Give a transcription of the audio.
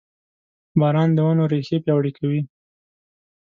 • باران د ونو ریښې پیاوړې کوي.